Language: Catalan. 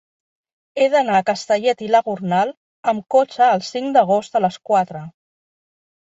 He d'anar a Castellet i la Gornal amb cotxe el cinc d'agost a les quatre.